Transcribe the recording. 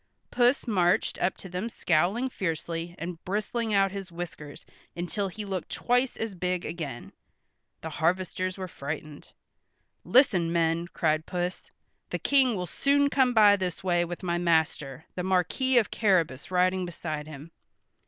Puss marched up to them scowling fiercely and bristling out his whiskers until he looked twice as big again. The harvesters were frightened. "Listen, men," cried Puss. "The King will soon come by this way with my master, the Marquis of Carrabas riding beside him.